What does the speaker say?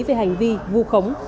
về hành vi vù khống